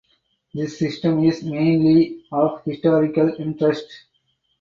This system is mainly of historical interest.